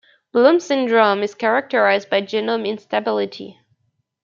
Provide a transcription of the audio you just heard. Bloom syndrome is characterized by genome instability.